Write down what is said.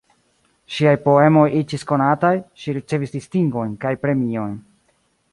Ŝiaj poemoj iĝis konataj, ŝi ricevis distingojn kaj premiojn.